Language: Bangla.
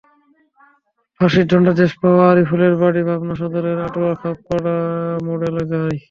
ফাঁসির দণ্ডাদেশ পাওয়া আরিফুলের বাড়ি পাবনা সদরের আটোয়া খাপাড়া মোড় এলাকায়।